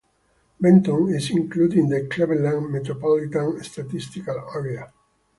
Benton is included in the Cleveland Metropolitan Statistical Area.